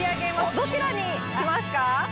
どちらにしますか？